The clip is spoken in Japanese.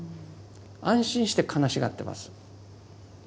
安心して悲しがってます。